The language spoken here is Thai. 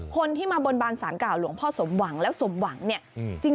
คนที่มาบนบานสารกล่าวหลวงพ่อสมหวังแล้วสมหวังเนี่ย